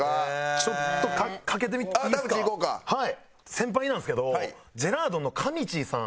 先輩なんですけどジェラードンのかみちぃさん。